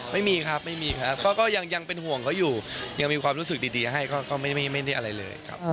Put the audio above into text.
ไม่มีครับไม่มีครับก็ยังเป็นห่วงเขาอยู่ยังมีความรู้สึกดีให้ก็ไม่ได้อะไรเลยครับ